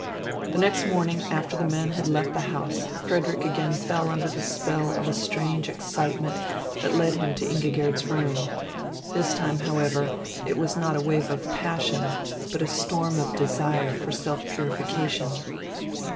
The next morning, after the men had left the house, Frederick again fell under the spell of a strange excitement that led him to Ingigerd's room. This time, however, it was not a wave of passion, but a storm of desire for self purification.